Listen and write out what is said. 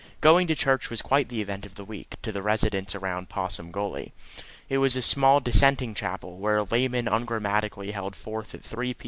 Going to church was quite the event of the week to the residents around Possum Gully. It was a small Dissenting chapel, where a layman ungrammatically held forth at 3 p.